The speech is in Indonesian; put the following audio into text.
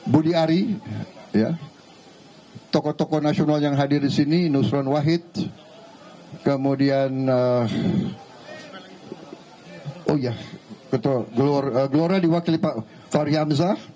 budi ari tokoh tokoh nasional yang hadir di sini nusron wahid kemudian oh ya ketua glora diwakili pak fahri hamzah